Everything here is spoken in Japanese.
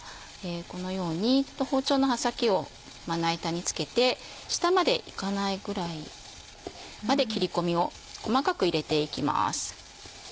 このように包丁の刃先をまな板に付けて下までいかないぐらいまで切り込みを細かく入れていきます。